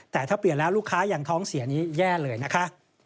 แต่ถ้าเปลี่ยนแล้วลูกค้ายังท้องเสียนี้แย่เลยนะคะ